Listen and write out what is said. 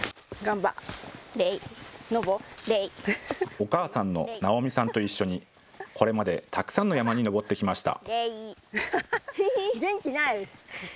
お母さんの直美さんと一緒にこれまでたくさんの山に登ってきました。